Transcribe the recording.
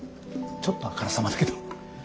ちょっとあからさまだけど。